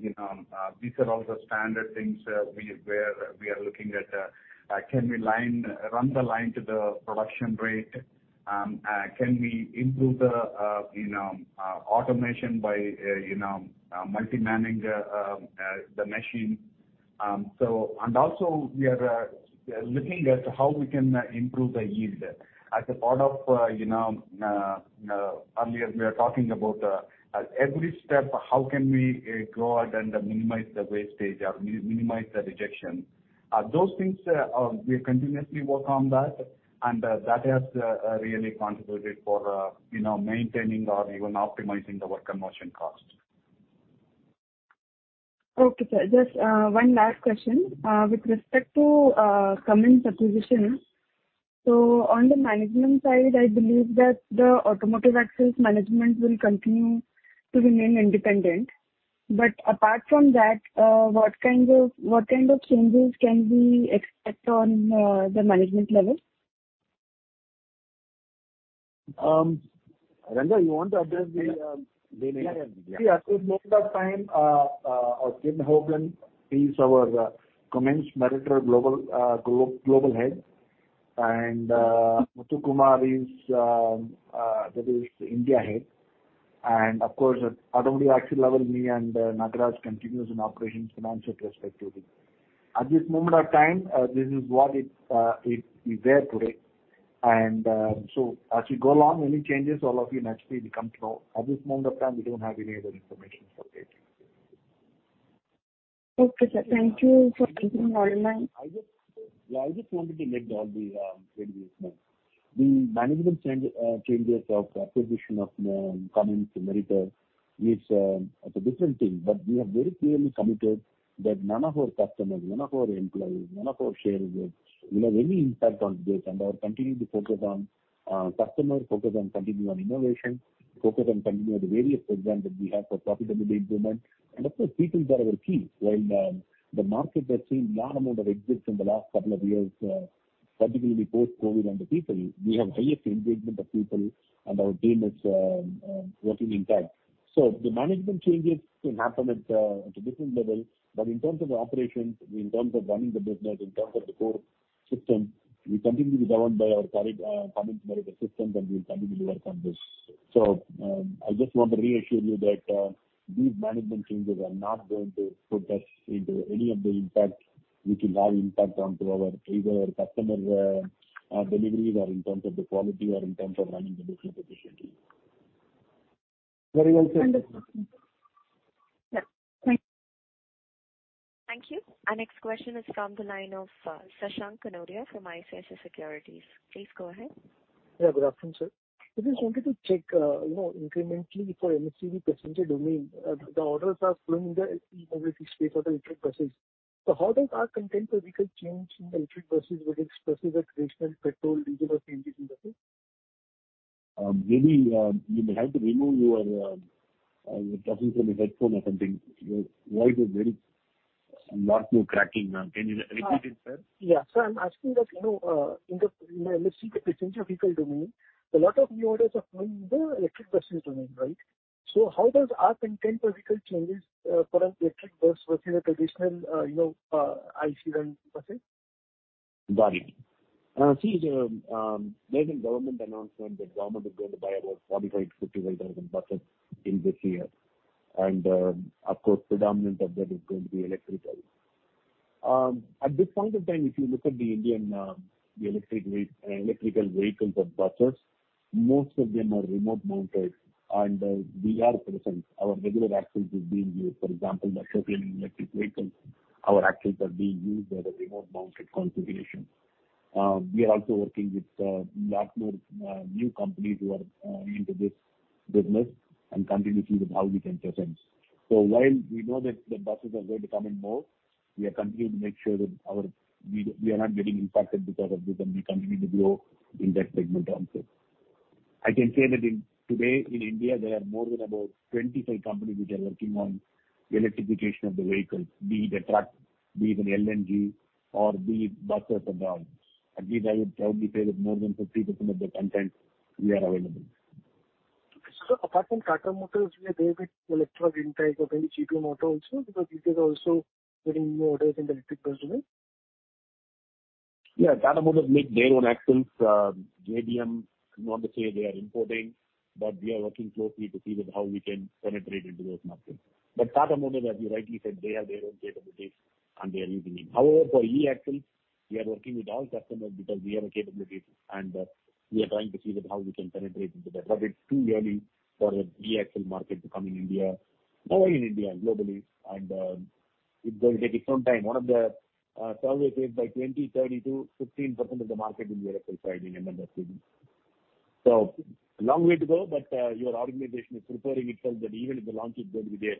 You know, these are all the standard things where we are looking at, can we run the line to the production rate? Can we improve the, you know, automation by, you know, multi-manning the machine? So... And also, we are looking at how we can improve the yield. As a part of, you know, earlier we are talking about, at every step, how can we go out and minimize the wastage or minimize the rejection? Those things, we continuously work on that, and that has really contributed for, you know, maintaining or even optimizing our conversion costs. Okay, sir. Just one last question. With respect to Cummins acquisition, so on the management side, I believe that the Automotive Axles management will continue to remain independent. But apart from that, what kind of, what kind of changes can we expect on the management level? Ranga, you want to address the... Yeah, yeah. See, at this moment of time, Ken Hogan, he's our Cummins Meritor global head, and Muthukumar is, that is India head. And of course, at Automotive Axles level, me and Nagaraja continues in operations, financial respectively. At this moment of time, this is what it is there today. And so as we go along, any changes, all of you naturally become to know. At this moment of time, we don't have any other information for update. Okay, sir. Thank you for keeping me online. I just, yeah, I just wanted to make all the very clear. The management change, changes of acquisition of Cummins Meritor is, it's a different thing, but we have very clearly committed that none of our customers, none of our employees, none of our shareholders will have any impact on this. And I'll continue to focus on customer, focus on continuing on innovation, focus on continuing the various programs that we have for profitability improvement. And of course, people are our key. While the market has seen large amount of exits in the last couple of years, particularly post-COVID on the people, we have highest engagement of people, and our team is working in time. So the management changes can happen at a different level, but in terms of operations, in terms of running the business, in terms of the core system, we continue to be governed by our Cummins Meritor system, and we will continue to work on this. So, I just want to reassure you that these management changes are not going to put us into any of the impact, which will have impact onto our, either our customer deliveries or in terms of the quality, or in terms of running the business efficiently. Very well said. Understood. Yeah, thank you. Thank you. Our next question is from the line of Shashank Kanodia from ICICI Securities. Please go ahead. Yeah, good afternoon, sir. I just wanted to check, you know, incrementally for LCV passenger domain, the orders are flowing in the electric buses domain so how does our vehicle content change in the electric versus a traditional IC run buses. Maybe you may have to remove your talking from your headphone or something. Your voice is very, a lot more cracking now. Can you repeat it, sir? Yeah. So I'm asking that, you know, in the, in the LCV passenger vehicle domain, a lot of new orders are coming in the electric buses domain, right? So how does our content per vehicle changes, for an electric bus versus a traditional, you know, IC run buses? Got it. There's a government announcement that government is going to buy about 45,000-55,000 buses in this year, and, of course, predominant of that is going to be electrical. At this point of time, if you look at the Indian, the electrical vehicles or buses, most of them are remote mounted, and we are present. Our regular axles is being used. For example, Ashok Leyland electric vehicle, our axles are being used at a remote mounted configuration. We are also working with lot more new companies who are into this business and continuing to see that how we can present. So while we know that the buses are going to come in more, we are continuing to make sure that our, we are not getting impacted because of this, and we continue to grow in that segment also. I can say that today, in India, there are more than about 25 companies which are working on the electrification of the vehicles, be it a truck, be it an LNG or be it buses and all. At least I would probably say that more than 50% of the content we are available. Apart from Tata Motors, we are tied with JBM because JBM is also getting new orders in the electric bus domain. Yeah, Tata Motors make their own axles. JBM, want to say they are importing, but we are working closely to see that how we can penetrate into those markets. But Tata Motors, as you rightly said, they have their own capabilities, and they are using it. However, for E-axle, we are working with all customers because we have a capability, and we are trying to see that how we can penetrate into that. But it's too early for a E-axle market to come in India. Not only in India, globally, and it's going to take its own time. One of the surveys said by 2032, 15% of the market in the E-axle will be in India. So long way to go, but your organization is preparing itself that even if the launch is going to be there.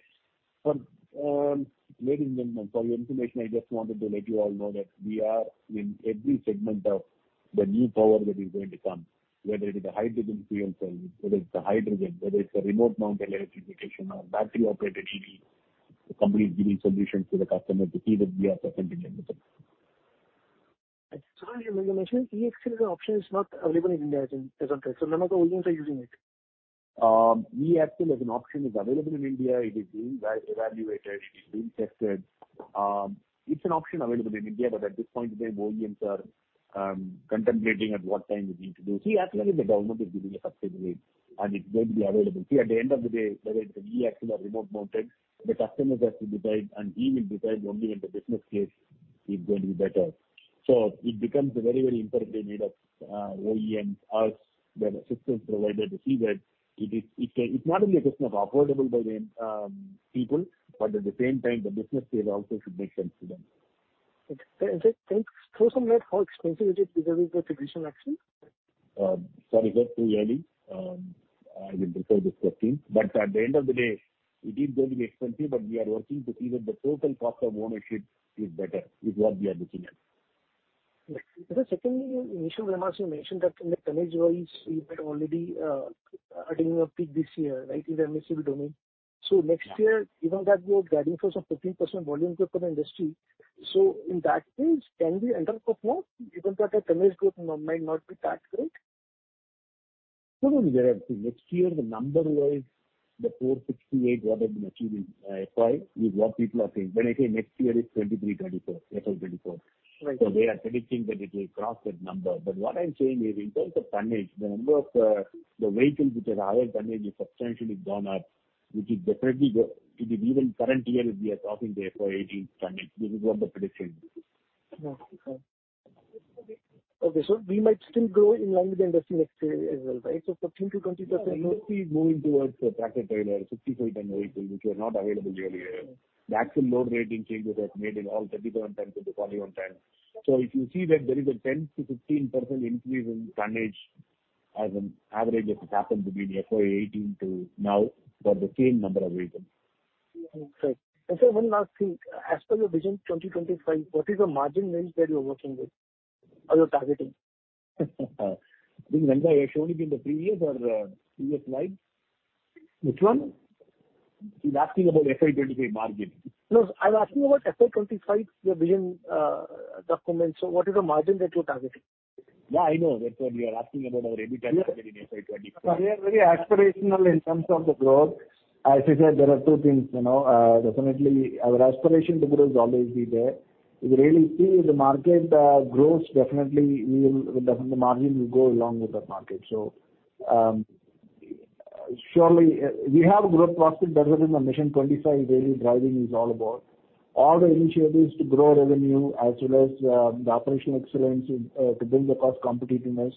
Ladies and gentlemen, for your information, I just wanted to let you all know that we are in every segment of the new power that is going to come, whether it is a hydrogen fuel cell, whether it's a hydrogen, whether it's a remote mounted electrification or battery-operated EV, the company is giving solutions to the customer to see that we are present in the market. You mentioned E-axle as an option is not available in India as of now, so none of the volumes are using it. E-axle as an option is available in India. It is being evaluated, it is being tested. It's an option available in India, but at this point in time, OEMs are contemplating at what time we need to do. See, actually, the government is giving a subsidy, and it's going to be available. See, at the end of the day, whether it's an E-axle or remote mounted, the customers have to decide, and he will decide only when the business case is going to be better. So it becomes a very, very important day made of OEMs, us, the systems provider, to see that it is, it's not only a question of affordable by the people, but at the same time, the business case also should make sense to them. Okay. Sir, can you throw some light on how expensive it is because of the transaction? Sorry, sir, too early. I will refer this question, but at the end of the day, it is going to be expensive, but we are working to see that the total cost of ownership is better, is what we are looking at. Okay. The second initial request you mentioned that in the tonnage-wise, you had already hitting a peak this year, right, in the M&HCV domain. So next year, even that growth, adding force of 15% volume growth for the industry. So in that case, can we enter for more, even though the tonnage growth might not be that great? Next year, the number-wise, the 468, what I've achieved in FY 2018, is what people are saying. When I say next year, it's 2023-2024, FY 2024. Right. So we are predicting that it will cross that number. But what I'm saying is, in terms of tonnage, the number of the vehicles which have higher tonnage is substantially gone up, which is definitely. It is even current year, we are talking the FY 2018 tonnage. This is what the prediction is. Okay, sir. We might still grow in line with the industry next year as well, right? So 15%-20%- Mostly moving towards the tractor-trailer, 55-ton vehicle, which were not available earlier. The axle load rating changes have made it all 37-ton to the 41-ton. So if you see that there is a 10%-15% increase in tonnage as an average, it happened to be the FY 2018 to now for the same number of vehicles. Okay. So one last thing. As per your vision, 2025, what is the margin range that you are working with, or you're targeting? I think, Ranga, I showed it in the previous slide. Which one? He's asking about FY 2025 margin. No, I'm asking about FY 2025, your vision document. So what is the margin that you're targeting? Yeah, I know. That's what we are asking about our EBITDA margin in FY 2025. We are very aspirational in terms of the growth. As I said, there are two things, you know, definitely our aspiration to grow is always be there. If you really see the market grows, definitely we will, the margin will go along with the market. So, surely, we have a growth prospect that within the Mission 2025, really driving is all about. All the initiatives to grow revenue as well as the operational excellence to bring the cost competitiveness.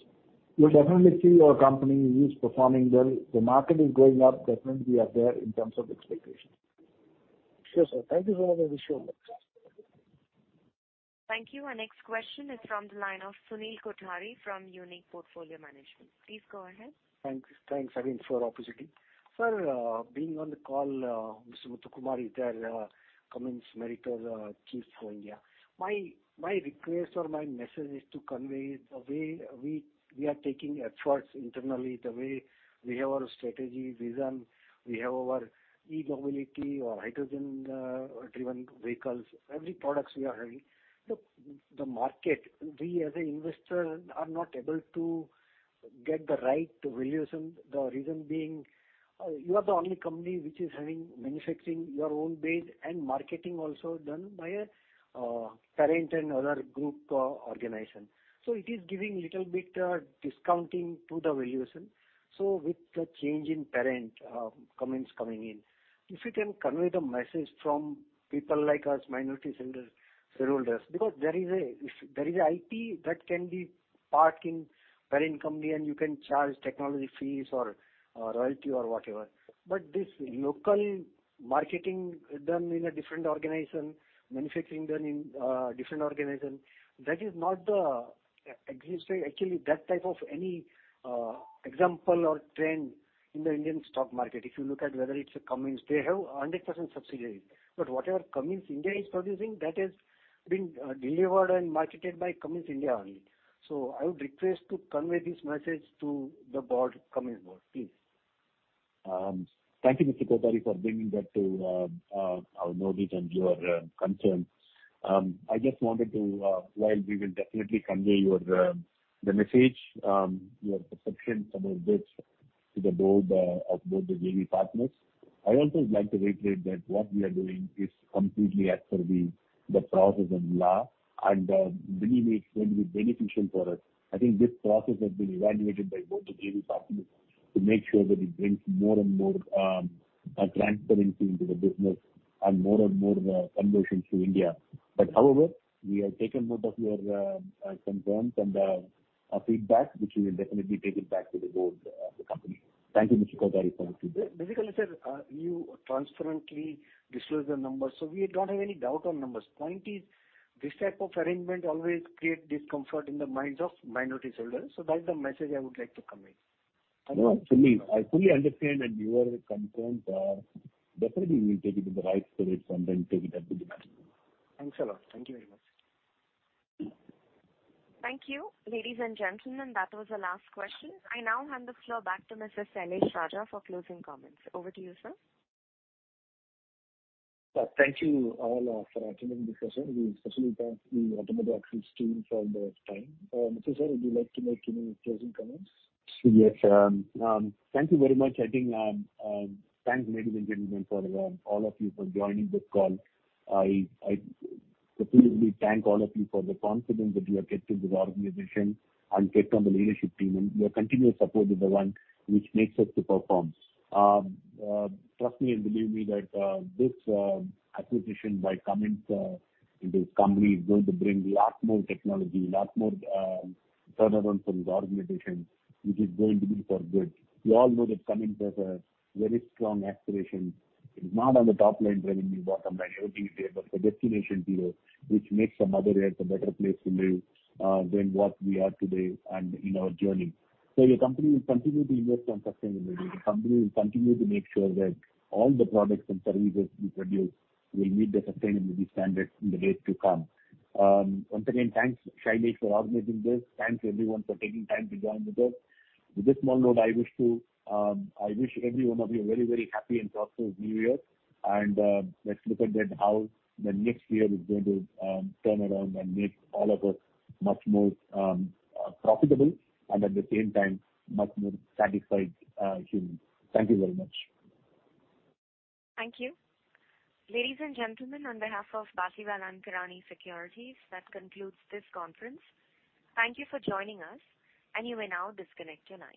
You'll definitely see our company is performing well. The market is going up, definitely we are there in terms of expectations. Sure, sir. Thank you so much for the show. Thank you. Our next question is from the line of Sunil Kothari from Unique Portfolio Management. Please go ahead. Thank you. Thanks again for the opportunity. Sir, being on the call, Mr. Muthukumar is there, Cummins Meritor, Chief for India. My request or my message is to convey the way we are taking efforts internally, the way we have our strategy, vision, we have our e-mobility or hydrogen driven vehicles, every products we are having. Look, the market, we as an investor, are not able to get the right valuation. The reason being, you are the only company which is having manufacturing your own base and marketing also done by a parent and other group organization. So it is giving little bit discounting to the valuation. So with the change in parent, Cummins coming in, if you can convey the message from people like us, minority shareholders, because there is a, if there is an IP that can be part in parent company and you can charge technology fees or royalty or whatever. But this local marketing done in a different organization, manufacturing done in different organization, that is not the existing, actually, that type of any example or trend in the Indian stock market. If you look at whether it's a Cummins, they have a 100% subsidiary, but whatever Cummins India is producing, that is being delivered and marketed by Cummins India only. So I would request to convey this message to the board, Cummins board, please. Thank you, Mr. Kothari, for bringing that to our knowledge and your concern. I just wanted to, while we will definitely convey your the message, your perception about this to the board of both the JV partners. I also would like to reiterate that what we are doing is completely as per the process and law, and believe me, it's going to be beneficial for us. I think this process has been evaluated by both the JV partners to make sure that it brings more and more transparency into the business and more and more conversions to India. But however, we have taken note of your concerns and feedback, which we will definitely take it back to the board of the company. Thank you, Mr. Kothari, for your feedback. Basically, sir, you transparently disclose the numbers, so we don't have any doubt on numbers. Point is, this type of arrangement always create discomfort in the minds of minority shareholders. So that's the message I would like to convey. No, actually, I fully understand, and your concerns are definitely we will take it in the right spirit and then take it up with the management. Thanks a lot. Thank you very much. Thank you, ladies and gentlemen, that was the last question. I now hand the floor back to Mr. Sailesh Raja for closing comments. Over to you, sir. Thank you all for attending this session. We especially thank the Automotive Axles team for their time. Muthu Sir, would you like to make any closing comments? Yes, thank you very much. I think, thanks, ladies and gentlemen, for all of you for joining this call. I particularly thank all of you for the confidence that you have kept in this organization and kept on the leadership team, and your continuous support is the one which makes us to perform. Trust me and believe me that this acquisition by Cummins into this company is going to bring lot more technology, lot more turnaround from the organization, which is going to be for good. You all know that Cummins has a very strong aspiration. It is not on the top line, but in the bottom line, everything is there, but the Destination Zero, which makes the Mother Earth a better place to live than what we are today and in our journey. So the company will continue to invest on sustainability. The company will continue to make sure that all the products and services we produce will meet the sustainability standards in the days to come. Once again, thanks, Sailesh, for organizing this. Thanks, everyone, for taking time to join with us. With this small note, I wish to, I wish every one of you a very, very happy and prosperous New Year, and, let's look at that, how the next year is going to, turn around and make all of us much more, profitable and at the same time, much more satisfied, humans. Thank you very much. Thank you. Ladies and gentlemen, on behalf of Batlivala & Karani Securities, that concludes this conference. Thank you for joining us, and you may now disconnect your lines.